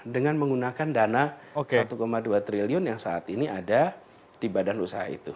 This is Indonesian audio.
dengan menggunakan dana satu dua triliun yang saat ini ada di badan usaha itu